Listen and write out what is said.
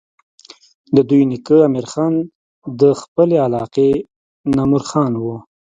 د دوي نيکه امير خان د خپلې علاقې نامور خان وو